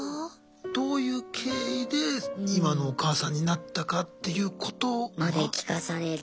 どういう経緯で今のお母さんになったかっていうこと。まで聞かされてなくて。